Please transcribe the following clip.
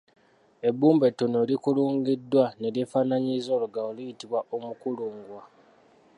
Ebbumba ettono erikulungiddwa ne lyefaanaanyiriza olugalo liyitibwa omukulungwa.